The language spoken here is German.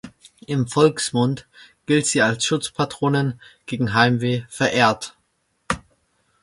Im Volksmund gilt sie als Schutzpatronin gegen Heimweh verehrt.